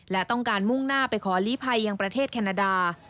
และต้องการมุ่งหน้าไปขอลีภัยยังประเทศแคนาดา